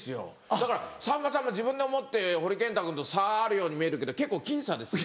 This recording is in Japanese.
だからさんまさんが自分で思ってほいけんた君と差があるように見えるけど結構僅差ですよ。